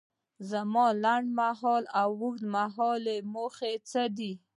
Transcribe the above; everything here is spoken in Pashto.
زما لنډ مهاله او اوږد مهاله موخې څه دي؟